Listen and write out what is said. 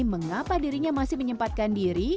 mengapa dirinya masih menyempatkan diri